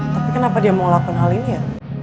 tapi kenapa dia mau lakukan hal ini ya